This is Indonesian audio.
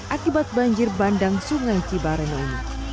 akibat banjir bandang sungai cibareno ini